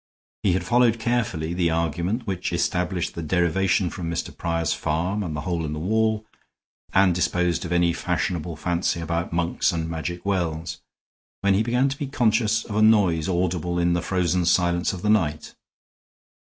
He had followed carefully the argument which established the derivation from Mr. Prior's farm and the hole in the wall, and disposed of any fashionable fancy about monks and magic wells, when he began to be conscious of a noise audible in the frozen silence of the night.